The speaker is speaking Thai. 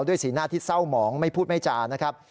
สีหน้าที่เศร้าหมองไม่พูดไม่จานะครับ